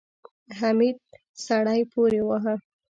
حميد سړی پورې واهه.